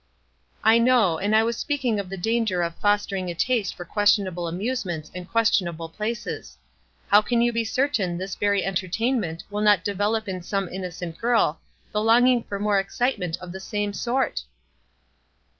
" I know, and I was speaking of the danger of fostering a taste for questionable amusements and questionable places. How can you be cer tain this very entertainment will not develop in some innocent girl the longing for more excite ment of the same sort